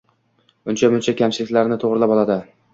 uncha-muncha kamchiliklarini to‘g‘rilab oladi.